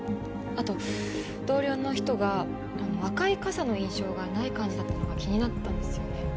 あと同僚の人が赤い傘の印象がない感じだったのが気になったんですよね。